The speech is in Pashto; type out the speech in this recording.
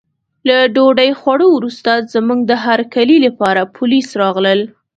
له ډوډۍ خوړو وروسته زموږ د هرکلي لپاره پولیس راغلل.